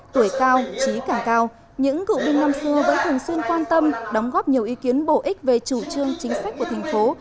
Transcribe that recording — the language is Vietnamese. tuổi cao trí càng cao những cựu binh năm xưa vẫn thường xuyên quan tâm đóng góp nhiều ý kiến bổ ích về chủ trương chính sách của thành phố